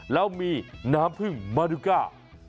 แล้วมีน้ำพึ่งมาริก้า